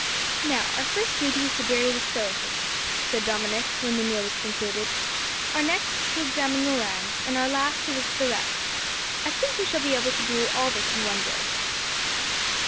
"Now, our first duty is to bury the skeleton," said Dominick, when the meal was concluded; "our next to examine the land; and our last to visit the wreck. I think we shall be able to do all this in one day."